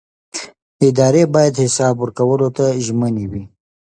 ادارې باید حساب ورکولو ته ژمنې وي